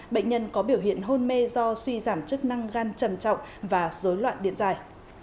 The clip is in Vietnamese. bệnh nhân có biểu hiện hôn mê do suy giảm chức năng gan trầm trọng và dối loạn điện dài